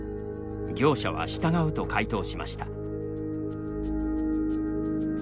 業者は、従うと回答しました。